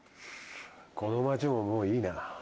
この街ももういいな。